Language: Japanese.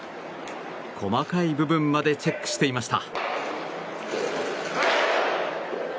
細かい部分までチェックしていました。